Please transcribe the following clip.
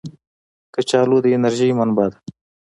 کچالو د انرژۍ منبع ده